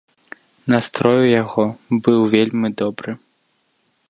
Настрой у яго быў вельмі добры.